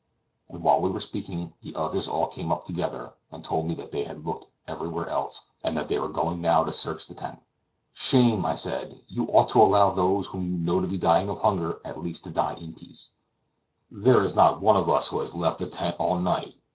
And while we were speaking the others all came up together, and told me that they had looked everywhere else, and that they were going now to search the tent. "Shame!" I said. "You ought to allow those whom you know to be dying of hunger at least to die in peace. There is not one of us who has left the tent all night.